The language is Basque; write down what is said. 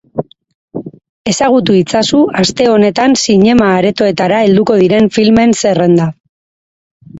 Ezagutu itzazu aste honetan zinema-aretoetara helduko diren filmen zerrenda.